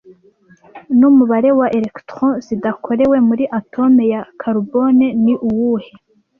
Numubare wa electron zidakorewe muri atome ya karubone ni uwuhe